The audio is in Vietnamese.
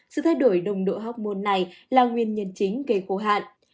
sự thay đổi nồng độ hốc môn này là nguyên nhân chính gây khô hạn